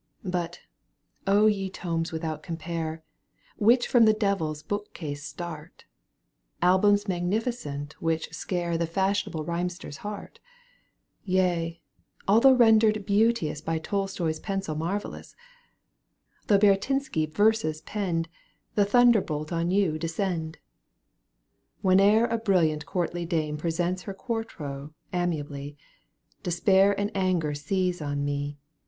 But, ye tomea without compare, Which from the devil's bookcase start, Albums magnificent which scare The fashionable rhymester's heart ! Yea ! although rendered beauteous By Tolstoy's pencil marvellous. Though Baratynski verses penned, The thunderbolt on you descend ! Whene'er a brilliant courtly dame Presents her quarto amiably. Despair and anger seize on me.